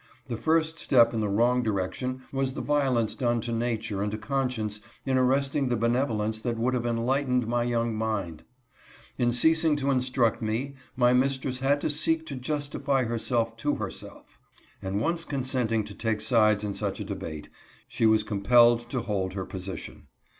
The first step in the wrong direction was the violence done to nature and to conscience in arresting the benevolence that would have enlightened my young mind. In ceasing to instruct me, my mistress had to seek to justify herself to herself, and once consenting to take sides in such a debate, she was compelled to hold her position.